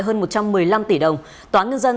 hơn một trăm một mươi năm tỷ đồng tòa án nhân dân